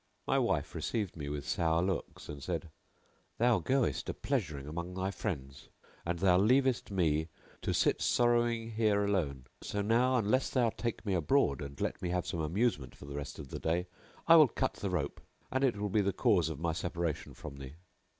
My wife received me with sour looks and said, "Thou goest a pleasuring among thy friends and thou leavest me to sit sorrowing here alone. So now, unless thou take me abroad and let me have some amusement for the rest of the day, I will cut the rope[FN#695] and it will be the cause of my separation from thee."